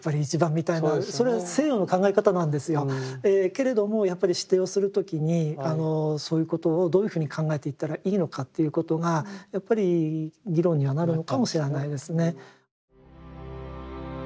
けれどもやっぱり指定をする時にそういうことをどういうふうに考えていったらいいのかということがやっぱり議論にはなるのかもしれないですね。